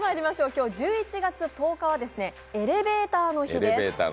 今日１１月１０日はエレベーターの日です。